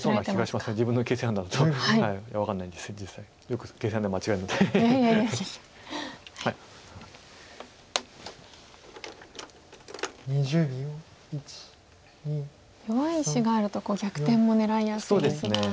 弱い石があると逆転も狙いやすいですが。